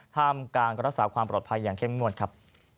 ห้ามการรักษาความปลอดภัยอย่างเข้มงวดครับ